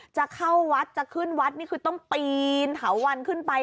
จะเข้าวัดจะขึ้นวัดนี่คือต้องปีนเถาวันขึ้นไป